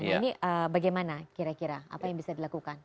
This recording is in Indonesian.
nah ini bagaimana kira kira apa yang bisa dilakukan